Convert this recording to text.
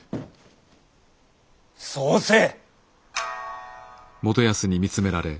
そうせい。